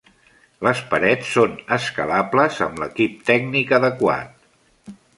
Les parets són escalables amb l'equip tècnic adequat.